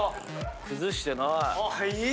崩してない。